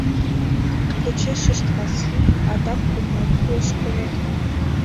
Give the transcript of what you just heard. Почешышт Васлий, адак кум марий ошкылыт.